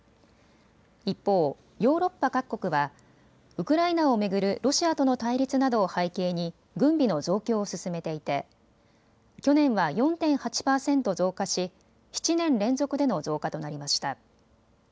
一方、ヨーロッパ各国はウクライナを巡るロシアとの対立などを背景に軍備の増強を進めていて去年は４．８％増加し７年連続での増加となりました。